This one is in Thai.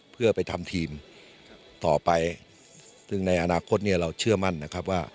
เพื่อไปทำทีมต่อไปซึ่งในอนาคตเนี่ยเราเชื่อมั่นนะครับว่า